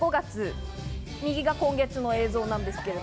左が５月、右が今月の映像です。